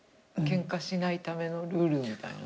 ケンカしないためのルールみたいな？